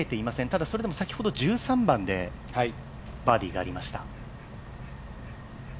ただそれでも先ほど１３番でバーディーがありました。